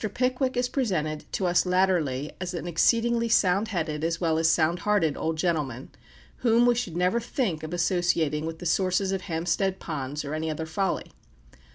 Pickwick is presented to us latterly as an exceedingly sound headed as well as sound hearted old gentleman, whom we should never think of associating with the sources of Hampstead Ponds or any other folly.